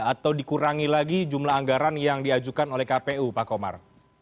atau dikurangi lagi jumlah anggaran yang diajukan oleh kpu pak komar